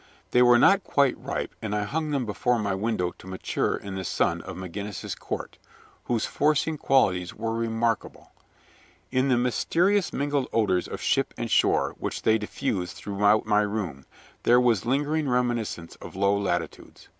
They were not quite ripe, and I hung them before my window to mature in the sun of McGinnis's Court, whose forcing qualities were remarkable. In the mysteriously mingled odors of ship and shore which they diffused throughout my room, there was lingering reminiscence of low latitudes.